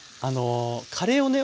カレーをね